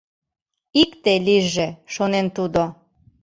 Икте лийже», — шонен тудо.